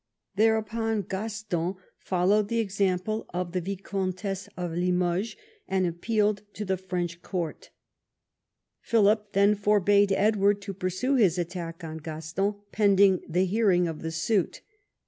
There upon Gaston followed the example of the Viscountess of Limoges, and appealed to the French court. Philip then forbade Edward to pursue his attack on Gaston pending the hearing of the suit.